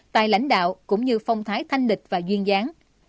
tài lãnh đạo cũng như phong thái thanh lịch và duyên gián